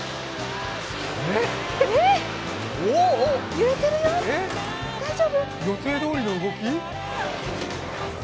揺れてるよ、大丈夫？予定どおりの動き？